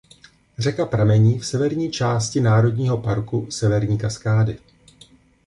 Řeka pramení v severní části národního parku Severní Kaskády.